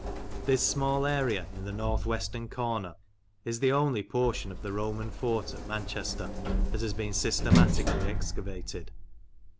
This small area in the north western corner is the only portion of the Roman fort at Manchester that has been systematically excavated.